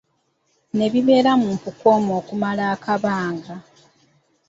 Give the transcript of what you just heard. Ne bibeera mu mpuku omwo okumala akabanga.